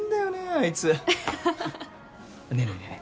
あいつねえねえねえね